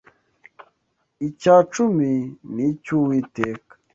Icyacumi ni icy’Uwiteka